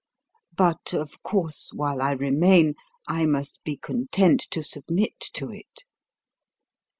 But, of course, while I remain, I must be content to submit to it.